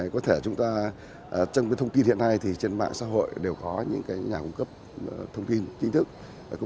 có thể chúng ta trong thông tin hiện nay thì trên mạng xã hội đều có những nhà cung cấp thông tin chính thức